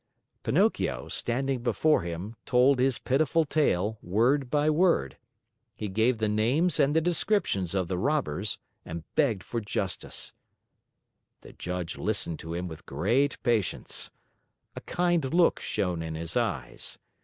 Pinocchio, standing before him, told his pitiful tale, word by word. He gave the names and the descriptions of the robbers and begged for justice. The Judge listened to him with great patience. A kind look shone in his eyes.